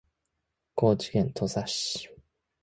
高知県土佐市